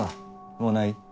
もうない？